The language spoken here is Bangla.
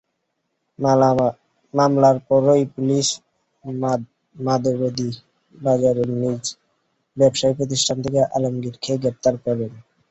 মামলার পরই পুলিশ মাধবদী বাজারের নিজ ব্যবসাপ্রতিষ্ঠান থেকে আলমগীরকে গ্রেপ্তার করে।